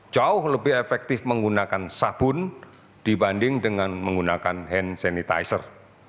jauh lebih efektif menggunakan sabun dibanding dengan menggunakan hand sanitizer